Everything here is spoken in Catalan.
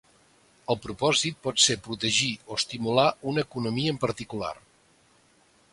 El propòsit pot ser protegir o estimular una economia en particular.